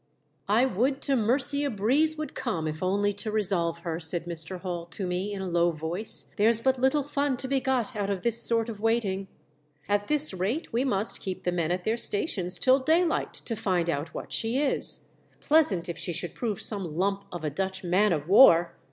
" I would to mercy a breeze would come if only to resolve her!' said Mr. Hall to me in a low voice. *' There's but little fun to be 68 THE DEATH SHIP. got out of this sort of waiting. At this rate we must keep the men at their stations till daylight to find out what she is. Pleasant if she should prove some lump of a Dutch man of war